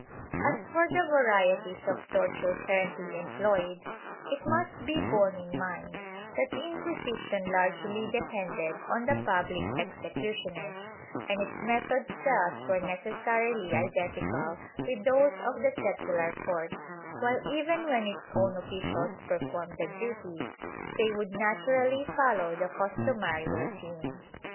As for the varieties of torture currently employed, it must be borne in mind that the Inquisition largely depended on the public executioners, and its methods thus were necessarily identical with those of the secular courts; while even when its own officials performed the duty, they would naturally follow the customary routine.